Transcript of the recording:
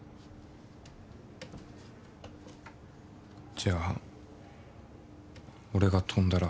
じゃあ俺が跳んだら。